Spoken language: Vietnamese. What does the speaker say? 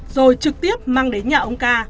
rồi trực tiếp mang đến nhà ông ca